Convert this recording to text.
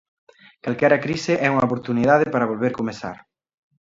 Calquera crise é unha oportunidade para volver comezar.